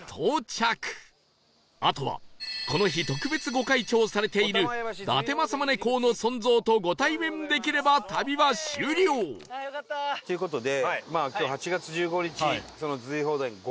あとはこの日特別御開帳されている伊達政宗公の尊像とご対面できれば旅は終了という事で。